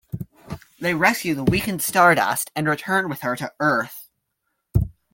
They rescue the weakened Stardust and return with her to Earth.